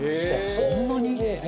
そんなに？